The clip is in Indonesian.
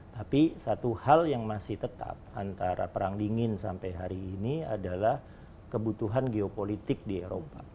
tapi satu hal yang masih tetap antara perang dingin sampai hari ini adalah kebutuhan geopolitik di eropa